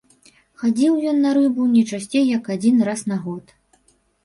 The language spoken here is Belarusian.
Хадзіў ён у рыбу не часцей як адзін раз на год.